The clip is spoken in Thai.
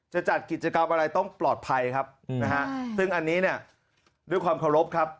จะจัดกิจกรรมอะไรต้องปลอดภัยครับนะฮะซึ่งอันนี้เนี่ยด้วยความเคารพครับ